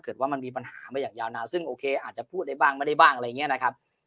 ว่ามันมีปัญหามาอย่างยาวนานซึ่งโอเคอาจจะพูดได้บ้างไม่ได้บ้างอะไรอย่างนี้นะครับ